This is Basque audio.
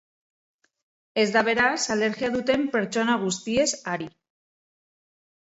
Ez da, beraz, alergia duten pertsona guztiez ari.